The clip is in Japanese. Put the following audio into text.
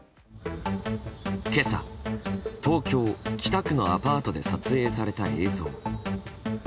今朝、東京・北区のアパートで撮影された映像。